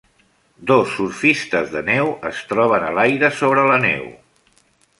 Dos surfistes de neu es troben a l'aire sobre la neu